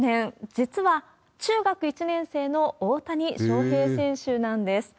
実は中学１年生の大谷翔平選手なんです。